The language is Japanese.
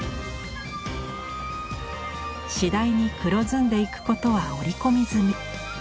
次第に黒ずんでいくことは織り込み済み。